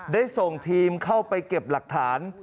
ได้ส่งทีมเข้าไปเก็บหลักฐาน